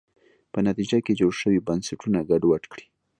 په نتیجه کې جوړ شوي بنسټونه ګډوډ کړي.